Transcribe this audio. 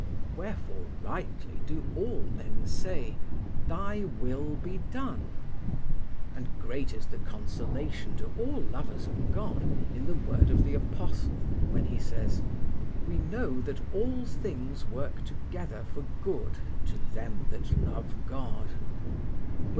Wherefore rightly do all men say: "Thy will be done." And great is the consolation to all lovers of God in the word of the Apostle when he says: "We know that all things work together for good to them that love God" (Rom.